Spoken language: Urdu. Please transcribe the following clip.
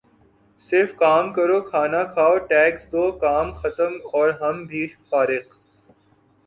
صرف کام کرو کھانا کھاؤ ٹیکس دو کام ختم اور ہم بھی فارخ